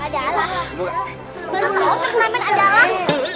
baru tahu turnamen ada lah